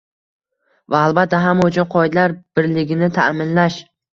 Va, albatta, hamma uchun qoidalar birligini ta'minlash